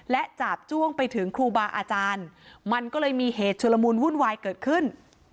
และจาบจ้วงไปถึงครูบาอาจารย์มันก็เลยมีเหตุชุลมุนวุ่นวายเกิดขึ้น